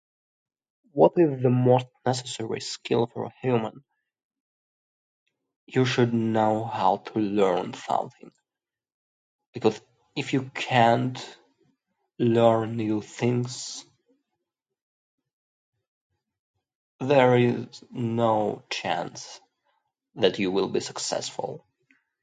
What is the most necessary skill for a human? You should know how to learn something. Because if you can't learn, you thinks... there is no chance that you will be successful.